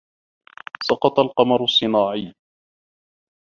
سقط القمر الصناعي